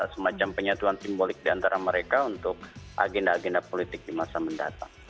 semacam penyatuan simbolik diantara mereka untuk agenda agenda politik di masa mendatang